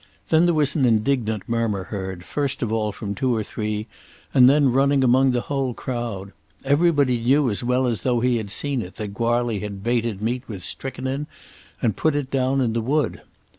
Then there was an indignant murmur heard, first of all from two or three and then running among the whole crowd. Everybody knew as well as though he had seen it that Goarly had baited meat with strychnine and put it down in the wood.